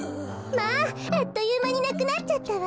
まああっというまになくなっちゃったわ。